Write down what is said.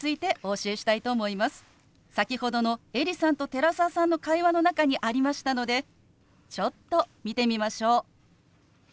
先ほどのエリさんと寺澤さんの会話の中にありましたのでちょっと見てみましょう。